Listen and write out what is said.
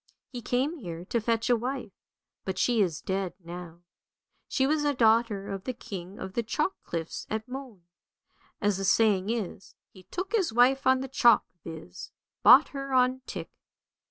He came here to fetch a wife, but she is dead now. She was a daughter of the king of the chalk cliffs at Moen. As the saying is, ' he took his wife on the chalk,' viz., bought her on tick.